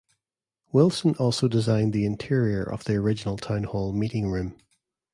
Wilson also designed the interior of the original Town Hall meeting room.